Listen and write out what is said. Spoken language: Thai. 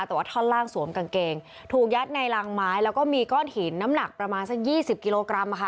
แต่ว่าท่อนล่างสวมกางเกงถูกยัดในรังไม้แล้วก็มีก้อนหินน้ำหนักประมาณสัก๒๐กิโลกรัมค่ะ